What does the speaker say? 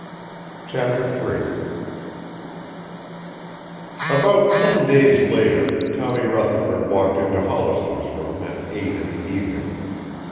CHAPTER III About ten days later Tommy Rutherford walked into Hollister's room at eight in the evening.